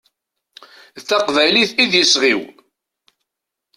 D taqbaylit i d iseɣ-iw.